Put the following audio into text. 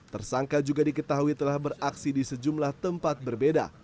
tersangka juga diketahui telah beraksi di sejumlah tempat berbeda